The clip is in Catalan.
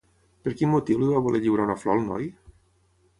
Per quin motiu li va voler lliurar una flor al noi?